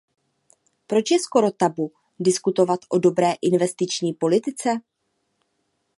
Proč je skoro tabu diskutovat o dobré investiční politice?